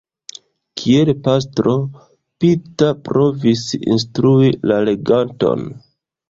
Kiel pastro Peter provis instrui la leganton.